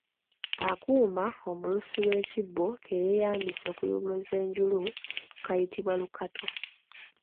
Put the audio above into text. Akuuma omulusi w’ekibbo ke yeeyambisa okuyubuluza enjulu kayitibwa lukato.